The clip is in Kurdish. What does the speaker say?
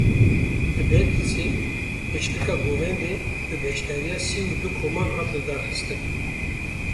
Li Bedlîsê pêşbirka Govendê bi beşdariya sî û du koman hat lidarxistin.